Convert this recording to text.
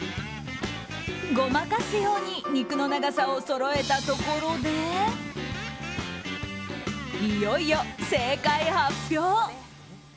ごまかすように肉の長さをそろえたところでいよいよ正解発表！